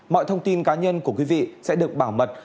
mọi thông tin cá nhân của quý vị sẽ được bảo mật